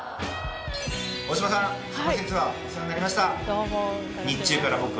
大島さんその節はお世話になりました。